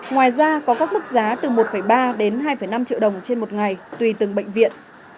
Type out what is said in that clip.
ngoài ra có các mức giá từ một ba đến hai năm triệu đồng trên một ngày tùy từng bệnh viện